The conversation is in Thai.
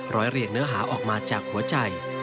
ร้อยเรียงเนื้อหาออกมาจากหัวใจ